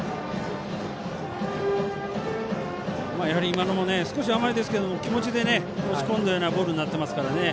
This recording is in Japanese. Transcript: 今のも少し甘いですけど気持ちで、押し込んだようなボールになってますから。